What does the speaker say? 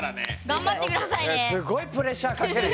頑張ってくださいね。